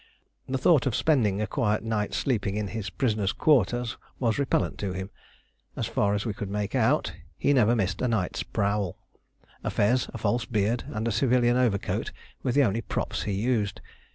The thought of spending a quiet night sleeping in his prisoners' quarters was repellent to him. As far as we could make out, he never missed a night's prowl. A fez, a false beard, and a civilian overcoat were the only "props" he used.